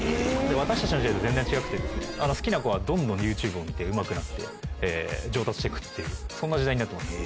私たちの時代と全然違くて好きな子はどんどんＹｏｕＴｕｂｅを見てうまくなって上達してくというそんな時代になってます。